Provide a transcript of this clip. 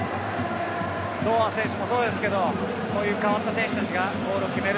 堂安選手もそうですけどもそういう代わった選手たちがゴールを決める。